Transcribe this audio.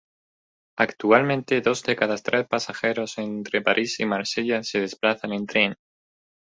Actualmente dos de cada tres pasajeros entre París y Marsella se desplazan en tren.